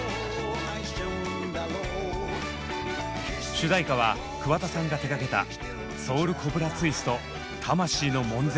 主題歌は桑田さんが手がけた「Ｓｏｕｌコブラツイスト魂の悶絶」。